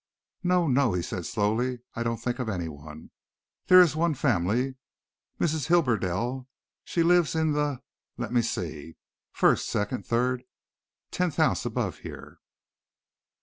"No, no," he said slowly. "I don't think of anyone. There is one family Mrs. Hibberdell. She lives in the let me see first, second, third, tenth house above here.